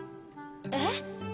えっ？